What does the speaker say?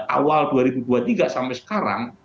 awal dua ribu dua puluh tiga sampai sekarang